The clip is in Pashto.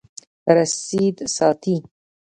رسید ساتئ